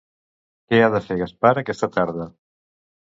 Què ha de fer Gaspar aquesta tarda?